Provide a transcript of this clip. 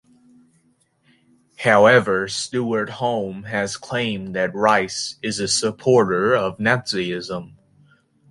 However Stewart Home has claimed that Rice is a supporter of Nazism.